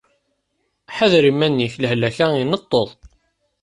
Ḥader iman-ik. Lehlak-a ineṭṭeḍ.